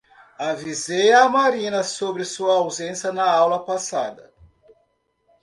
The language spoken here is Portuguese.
Avisei à Marina sobre sua ausência na aula passada